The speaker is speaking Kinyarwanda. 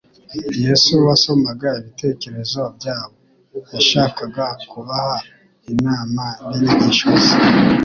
Yesu wasomaga ibitekerezo byabo, yashakaga kubaha inama n'inyigisho ze.